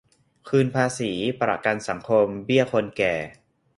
คืนภาษี ประกันสังคม เบี้ยคนแก่